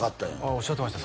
おっしゃってました